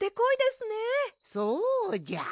そうじゃ。